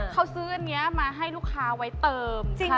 เขาซื้ออันนี้มาให้ลูกค้าไว้เติม